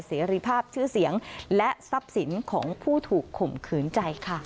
เสรีภาพชื่อเสียงและทรัพย์สินของผู้ถูกข่มขืนใจค่ะ